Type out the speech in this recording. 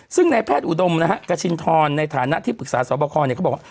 ซึ่งในแพทย์อุดมนะฮะกระชินทรในฐานะที่ปรึกษาสอบคอเนี่ยเขาบอกว่า